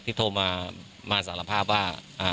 โทรมาสารภาพว่า